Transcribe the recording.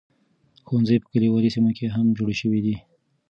ښوونځي په کليوالي سیمو کې هم جوړ شوي دي.